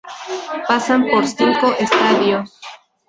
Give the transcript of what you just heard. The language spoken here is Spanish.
Pasan por cinco estadios.